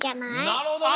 なるほどね。